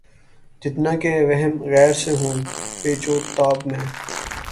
جتنا کہ وہمِ غیر سے ہوں پیچ و تاب میں